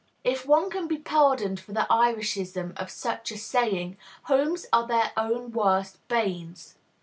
If one can be pardoned for the Irishism of such a saying, homes are their own worst "banes."